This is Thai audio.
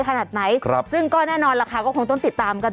ขนาดไหนครับซึ่งก็แน่นอนล่ะค่ะก็คงต้องติดตามกัน